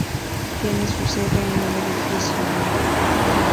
Tiene su sede en el Edificio No.